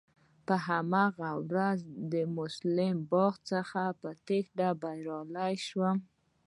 په هماغه ورځ مسلم باغ څخه په تېښته بريالی شوم.